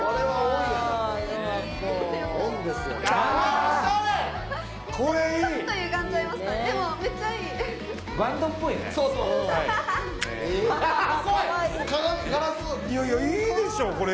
いやいやいいでしょこれ。